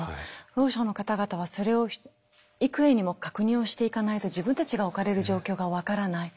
ろう者の方々はそれを幾重にも確認をしていかないと自分たちが置かれる状況が分からない。